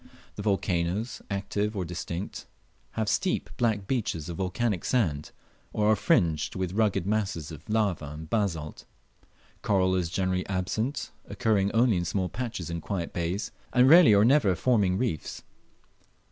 The volcanoes, active or extinct, have steep black beaches of volcanic sand, or are fringed with rugged masses of lava and basalt. Coral is generally absent, occurring only in small patches in quiet bays, and rarely or never forming reefs.